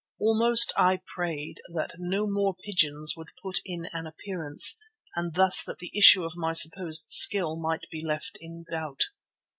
Almost I prayed that no more pigeons would put in an appearance, and thus that the issue of my supposed skill might be left in doubt.